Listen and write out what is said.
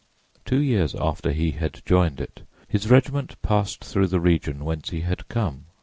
Two years after he had joined it his regiment passed through the region whence he had come.